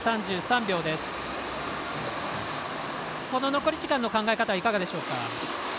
この残り時間の考え方はいかがでしょうか。